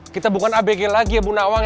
kita bukan abg lagi ya bu nawang